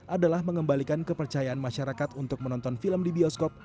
adalah mengembalikan kepercayaan masyarakat untuk menonton film di bioskop